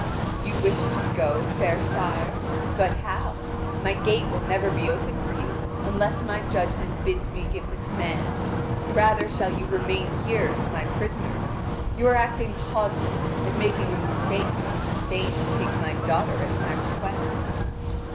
"You wish to go, fair sire? But how? My gate will never be opened for you unless my judgment bids me give the command; rather shall you remain here as my prisoner. You are acting haughtily and making a mistake when you disdain to take my daughter at my request."